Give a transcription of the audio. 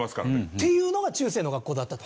っていうのが中世の学校だったと。